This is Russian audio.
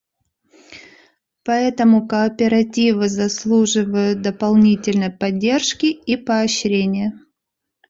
Поэтому кооперативы заслуживают дополнительной поддержки и поощрения.